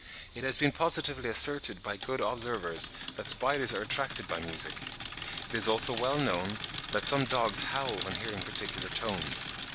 It has been positively asserted by good observers that spiders are attracted by music. It is also well known that some dogs howl when hearing particular tones.